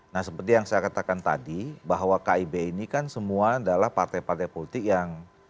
nah seperti yang saya katakan tadi bahwa kib ini kan semua adalah partai partai politik yang